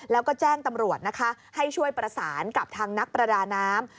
แล้วก็แจ้งตำรวจนะคะให้ช่วยประสานกับทางนักประดาน้ำ